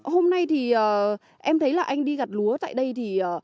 hôm nay thì em thấy là anh đi gặt lúa tại đây thì